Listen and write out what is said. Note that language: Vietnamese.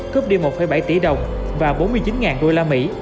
cướp đi một bảy tỷ đồng và bốn mươi chín usd